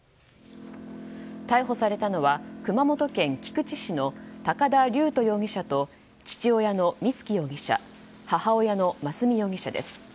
逮捕されたのは熊本県菊池市の高田龍斗容疑者と父親の光喜容疑者母親の真寿美容疑者です。